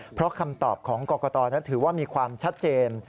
เพราะคำตอบของกรกตนั้นถือว่ามีความชัดเจน